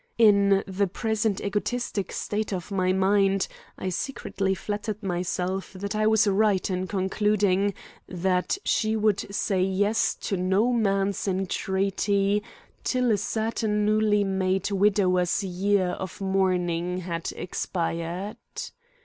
In the present egotistic state of my mind I secretly flattered myself that I was right in concluding that she would say yes to no man's entreaty till a certain newly made widower's year of mourning had expired.